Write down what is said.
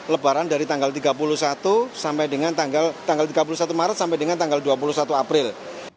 lebaran dari tanggal tiga puluh satu maret sampai dengan tanggal dua puluh satu april